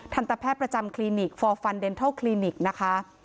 ทันตแพทย์ประจำคลินิกฟอร์ฟันเดนเทิลคลินิกนะคะ